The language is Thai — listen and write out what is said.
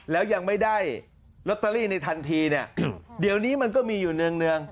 แล้วยังไม่ได้ลอตเตอรี่ในทันทีเนี่ยเดี๋ยวนี้มันก็มีอยู่เนื่อง